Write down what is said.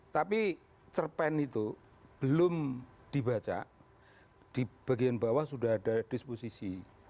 tapi cerpen itu belum dibaca di bagian bawah sudah ada disposisi